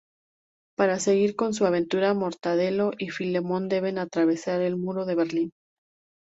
Para seguir con su aventura Mortadelo y Filemón deben atravesar el Muro de Berlín.